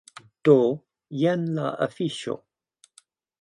Do, jen la afiŝo.